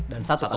dan satu kalah